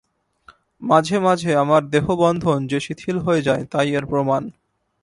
মাঝে মাঝে আমাদের দেহ-বন্ধন যে শিথিল হয়ে যায়, তা-ই এর প্রমাণ।